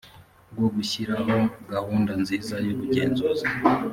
rwo gushyiraho gahunda nziza y ubugenzuzi